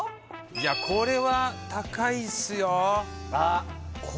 いやこれは高いっすよ